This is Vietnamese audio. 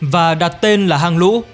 và đặt tên là hang lũ